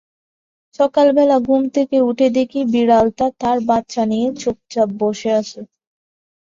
সকালবেলা ঘুম থেকে উঠে দেখি বিড়ালটা তার বাচ্চা নিয়ে চুপচাপ বসে আছে।